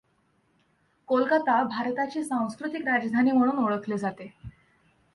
कोलकाता भारताची सांस्कृतिक राजधानी म्हणून ओळखले जाते.